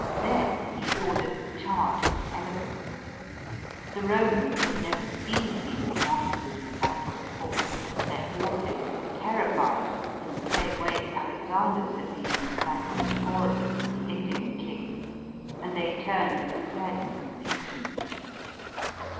Then he ordered a charge of the elephants. The Romans had never seen these monsters in battle before ; their horses were terrified in the same way that Alexander's had been in the battle with Porus, the Indian king, and they turned and fled in con fusion.